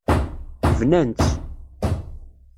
Bnan-tt.